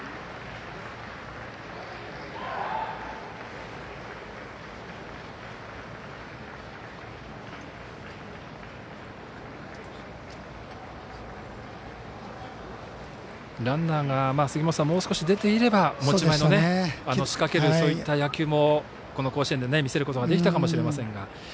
杉本さん、ランナーがもう少し出ていれば持ち前の仕掛ける野球も甲子園で見せることができたかもしれませんが。